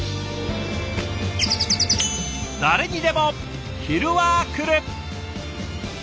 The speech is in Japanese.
誰にでも昼はくる。